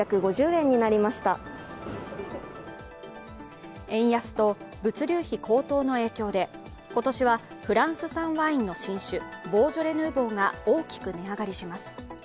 円安と物流費高騰の影響で今年は、フランス産ワインの新種、ボージョレ・ヌーボーが大きく値上がりします。